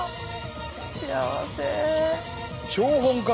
幸せ！